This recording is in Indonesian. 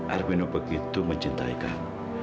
arvino begitu mencintaikan